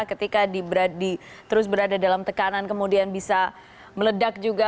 ketika terus berada dalam tekanan kemudian bisa meledak juga